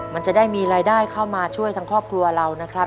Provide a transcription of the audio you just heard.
มันจะได้มีรายได้เข้ามาช่วยทั้งครอบครัวเรานะครับ